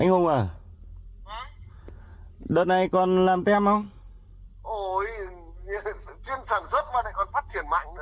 họ đều khẳng định